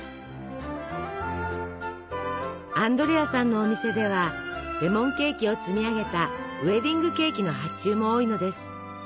アンドレアさんのお店ではレモンケーキを積み上げたウエディングケーキの発注も多いのです。